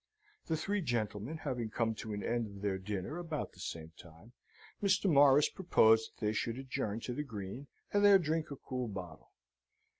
The three gentlemen having come to an end of their dinner about the same time, Mr. Morris proposed that they should adjourn to the Green, and there drink a cool bottle.